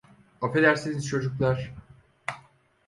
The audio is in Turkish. Affedersiniz çocuklar.